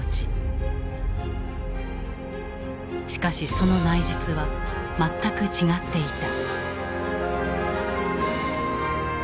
しかしその内実は全く違っていた。